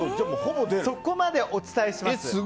そこまでお伝えします。